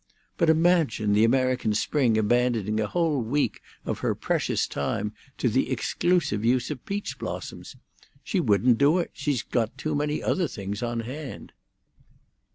But imagine the American spring abandoning a whole week of her precious time to the exclusive use of peach blossoms! She wouldn't do it; she's got too many other things on hand."